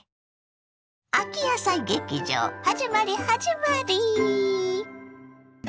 秋野菜劇場はじまりはじまり！